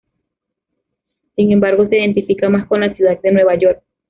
Sin embargo, se identifica más con la ciudad de Nueva York.